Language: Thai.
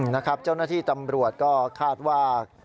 นะครับเจ้าหน้าที่ตำรวจก็คาดว่า